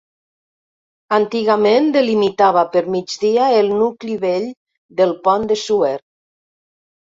Antigament delimitava per migdia el nucli vell del Pont de Suert.